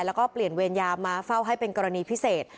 แล้วก็เปลี่ยนเวรยามาเฝ้าให้เป็นกรณีพิเศษ